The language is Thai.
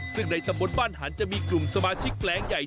ซึ่งในตำบลบ้านหันจะมีกลุ่มสมาชิกแปลงใหญ่